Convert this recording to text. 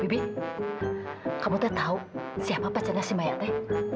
bibi kamu tahu siapa pacarnya si mayatnya